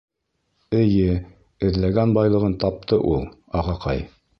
— Эйе, эҙләгән байлығын тапты ул, ағаҡай.